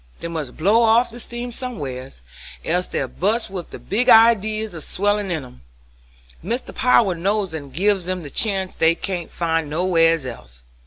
They must blow off their steam somewheres, else they'd bust with the big idees a swellin' in 'em; Mr. Power knows it and gives 'em the chance they can't find nowheres else.